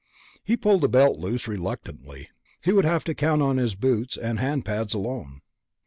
He pulled the belt loose, reluctantly. He would have to count on his boots and his hand pads alone.